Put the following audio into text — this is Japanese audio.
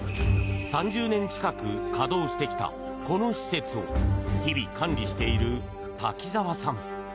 ３０年近く稼働してきたこの施設を日々管理している滝沢さん。